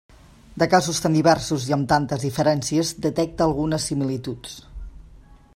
De casos tan diversos i amb tantes diferències, detecte algunes similituds.